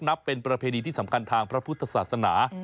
นับเป็นประเพณีที่สำคัญทางพระพุทธศาสนา